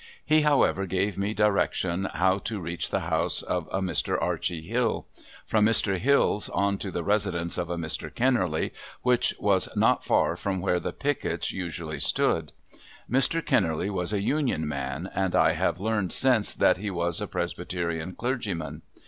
He, however, gave me directions how to reach the house of Mr. Archie Hill. From Mr. Hill's on to the residence of a Mr. Kennerly, which was not far from where the pickets usually stood. Mr. Kennerly was a Union man, and I have learned since that he was a Presbyterian clergyman.